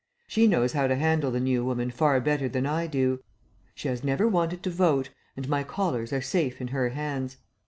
She knows how to handle the new woman far better than I do. She has never wanted to vote, and my collars are safe in her hands.